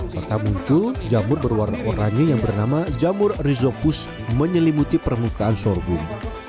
serta muncul jamur berwarna oranye yang bernama jamur rhizopus menyelimuti permukaan sorghum